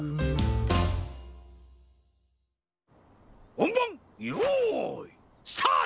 ほんばんよういスタート！